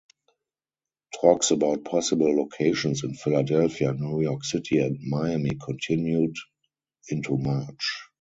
Talks about possible locations in Philadelphia, New York City and Miami continued into March.